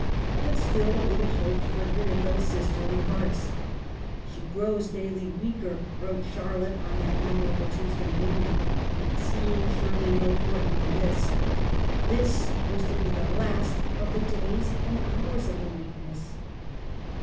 But still a little hope flickered in those sisterly hearts. " She gi'ows daily weaker," wrote Charlotte, on that memorable Tuesday morning ; seeing surely no portent that this — this ! was to be the last of the days and the hours of her weakness.